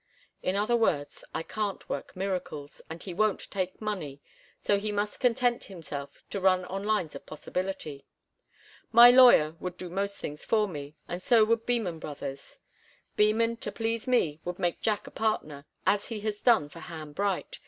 In other words, I can't work miracles, and he won't take money, so he must content himself to run on lines of possibility. My lawyer would do most things for me, and so would Beman Brothers. Beman, to please me, would make Jack a partner, as he has done for Ham Bright.